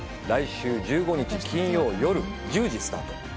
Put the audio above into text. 来週１５日金曜夜１０時スタート